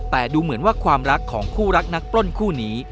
แต่ดูเหมือนว่าความรักของคู่รักนักปล้นคู่นี้